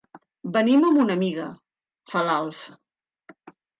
Venim amb una amiga —fa l'Alf—.